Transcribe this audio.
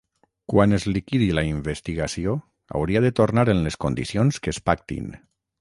Quan es liquidi la investigació, hauria de tornar en les condicions que es pactin.